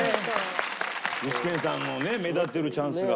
具志堅さんのね目立てるチャンスが。